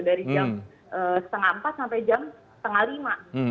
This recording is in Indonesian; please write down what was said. dari jam setengah empat sampai jam setengah lima